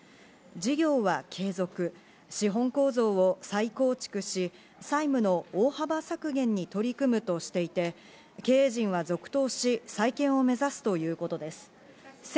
事業は継続、資本構造を再構築し、債務の大幅削減に取り組むとしていて、経営陣は続投し、再建を目指すということです。